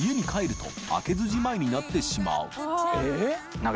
何か△